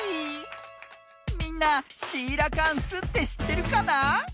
みんなシーラカンスってしってるかな？